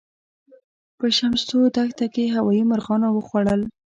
په شمشتو دښته کې هوايي مرغانو وخوړل.